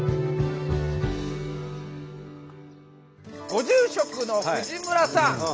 ご住職の藤村さん。